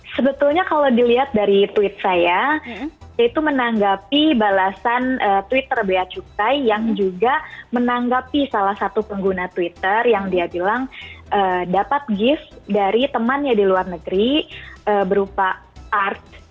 sebetulnya kalau dilihat dari tweet saya itu menanggapi balasan twitter bea cukai yang juga menanggapi salah satu pengguna twitter yang dia bilang dapat gift dari temannya di luar negeri berupa arts